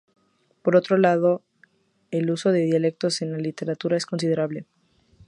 Por otro lado, el uso de dialectos en la literatura es considerable.